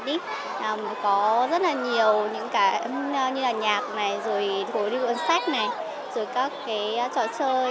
có rất nhiều những cái như là nhạc này rồi khối đi bộ sách này rồi các cái trò chơi